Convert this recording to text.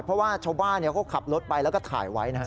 เพราะว่าชาวบ้านเขาขับรถไปแล้วก็ถ่ายไว้นะฮะ